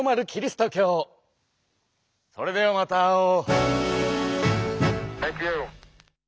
それではまた会おう。